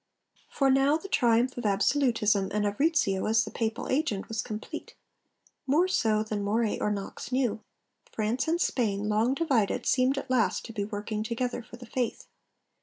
For now the triumph of absolutism and of Rizzio, as the Papal agent, was complete more so than Moray or Knox knew. France and Spain, long divided, seemed at last to be working together for the faith.